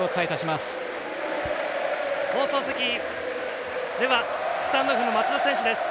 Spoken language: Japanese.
放送席、スタンドオフの松田選手です。